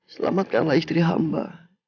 selamatkanlah istri hamba